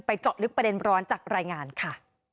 เจาะลึกประเด็นร้อนจากรายงานค่ะ